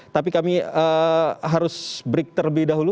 tapi kami harus break terlebih dahulu